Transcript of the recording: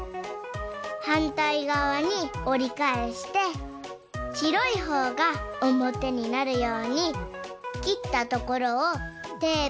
はんたいがわにおりかえしてしろいほうがおもてになるようにきったところをテープでペトッ。